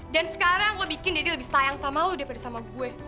dan sekarang lu bikin daddy lebih sayang sama lu daripada sama gue